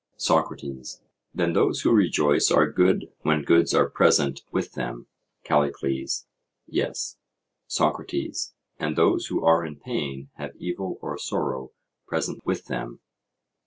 SOCRATES: Then those who rejoice are good when goods are present with them? CALLICLES: Yes. SOCRATES: And those who are in pain have evil or sorrow present with them?